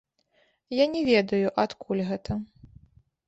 Я не ведаю, адкуль гэта.